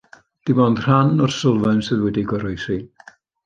Dim ond rhan o'r sylfaen sydd wedi goroesi.